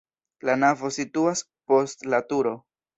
La navo situas post la turo.